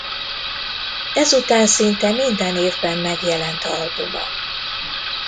Ezután szinte minden évben megjelent albuma.